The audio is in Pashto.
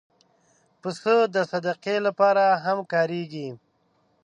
پسه د صدقې لپاره هم کارېږي.